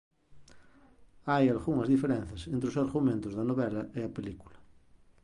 Hai algunhas diferenzas entre os argumentos da novela e a película.